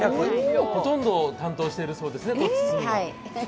ほとんど包むのを担当しているそうですね。